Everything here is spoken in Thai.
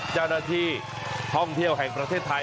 เจ้าหน้าที่ท่องเที่ยวแห่งประเทศไทย